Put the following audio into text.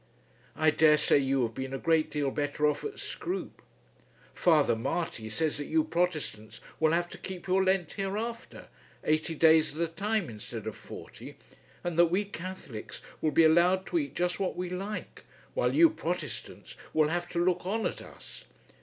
I dare say you have been a great deal better off at Scroope. Father Marty says that you Protestants will have to keep your Lent hereafter, eighty days at a time instead of forty; and that we Catholics will be allowed to eat just what we like, while you Protestants will have to look on at us.